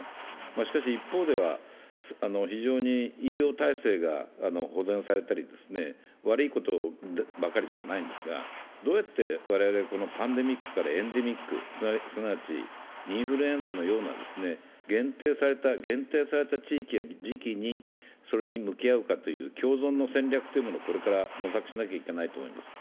しかし一方では、非常に医療体制が保全されたり、悪いことばかりではないんですがどうやって我々、このパンデミックからエンデミック、すなわちインフルエンザのような限定された地域や時期にそれに向き合うかという、共存の戦略をこれから模索しなければいけないと思います。